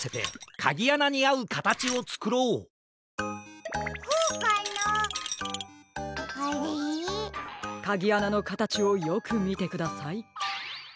かぎあなのかたちをよくみてください。